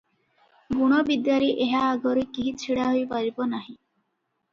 ଗୁଣବିଦ୍ୟାରେ ଏହା ଆଗରେ କେହି ଛିଡ଼ାହୋଇପାରିବ ନାହିଁ ।